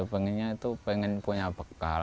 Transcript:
pengennya itu pengen punya bekal